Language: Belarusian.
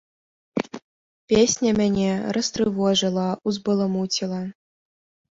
Песня мяне растрывожыла, узбаламуціла.